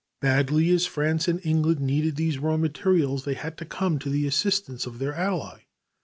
Badly as France and England needed these raw materials, they had to come to the assistance of their ally.